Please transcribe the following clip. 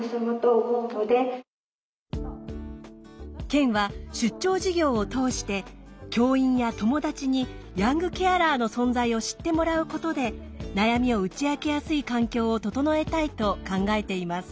県は出張授業を通して教員や友達にヤングケアラーの存在を知ってもらうことで悩みを打ち明けやすい環境を整えたいと考えています。